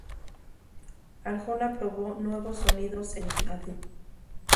Arjona probó nuevos sonidos en "Adentro".